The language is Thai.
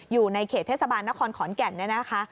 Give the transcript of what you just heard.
อยู่ในเขตเทศบาลนครขอนแก่นเนี่ยนะคะ